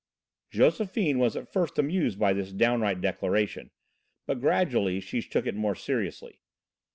Josephine was at first amused by this downright declaration, but gradually she took it more seriously.